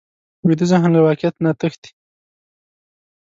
ویده ذهن له واقعیت نه تښتي